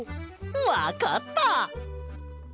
わかった！